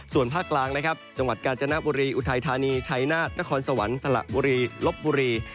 ส่วนภาคกลางจังหวัดกาจนาปุรีอุทัยธานีไชนาศนครสวรรค์สระบุรีลบบุรี